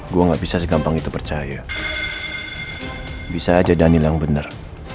gue gak bisa segampang itu percaya bisa aja daniel yang benar